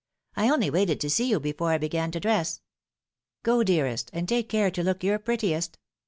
I only waited to see you before I began to dress." " Go, dearest ; and take care to look your prettiest."